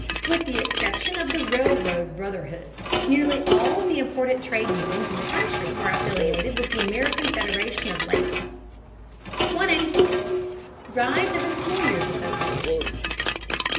With the exception of the railroad brotherhoods, nearly all of the important trade unions in the country are affiliated with the American Federation of Labor. 184. RISE OF EMPLOYERS' ASSOCIATIONS.